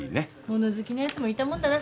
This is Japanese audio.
物好きなやつもいたもんだな。